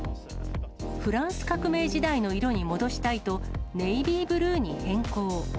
フランス革命時代の色に戻したいとネイビーブルーに変更。